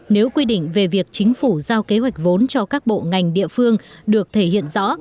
nếu quy định về việc chính phủ giao kế hoạch vốn cho các bộ ngành địa phương được thể hiện rõ